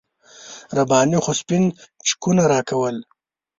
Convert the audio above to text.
رباني خو سپین چکونه راکول.